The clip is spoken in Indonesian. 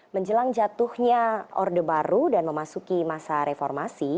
menjelang jatuhnya orde baru dan memasuki masa reformasi